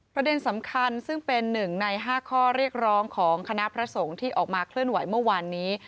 ประเด็นสำคัญซึ่งเป็นหนึ่งใน๕ข้อเรียกร้องของคณะพระสงฆ์ที่ออกมาเคลื่อนไหวเมื่อวานนี้